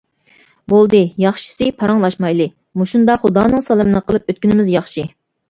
بولدى، ياخشىسى پاراڭلاشمايلى، مۇشۇنداق خۇدانىڭ سالىمىنى قىلىپ ئۆتكىنىمىز ياخشى.